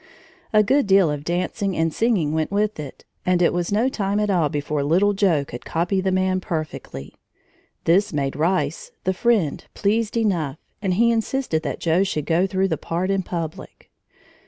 A good deal of dancing and singing went with it, and it was no time at all before little Joe could copy the man perfectly. This made Rice, the friend, pleased enough, and he insisted that Joe should go through the part in public.